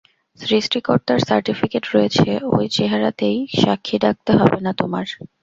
সৃষ্টিকর্তার সার্টিফিকেট রয়েছে ওই চেহারাতেই–সাক্ষী ডাকতে হবে না তোমার।